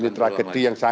ini tragedi yang